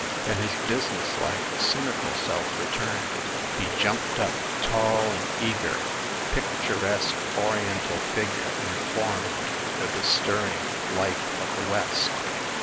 Then his businesslike, cynical self re turned. He jumped up, tall and eager, a pictur esque oriental figure informed with the stirring life of the West.